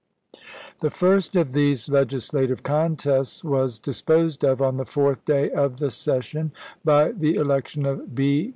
The first of these legislative contests was dis posed of on the fourth day of the session by the election of B.